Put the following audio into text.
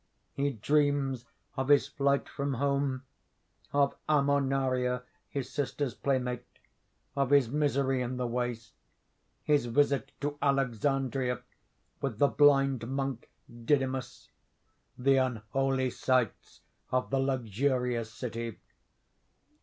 He dreams of his flight from home, of Ammonaria, his sister's playmate, of his misery in the waste, his visit to Alexandria with the blind monk Didymus, the unholy sights of the luxurious city.